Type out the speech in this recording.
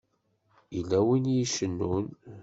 Yella win i icennun.